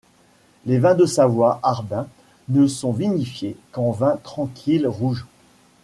Les vins de Savoie Arbin ne sont vinifiés qu'en vin tranquille rouge.